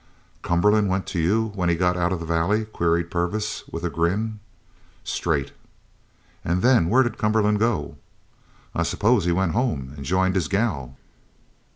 "Cumberland went to you when he got out of the valley?" queried Purvis with a grin. "Straight." "And then where did Cumberland go?" "I s'pose he went home an' joined his gal."